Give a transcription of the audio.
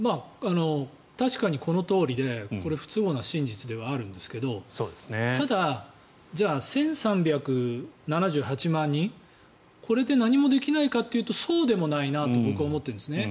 確かにこのとおりで不都合な真実ではあるんですがただ、じゃあ１３７８万人これで何もできないかというとそうでもないと僕は思っているんですね。